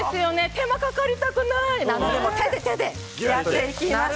手間がかかりたくないので手でやっていきます。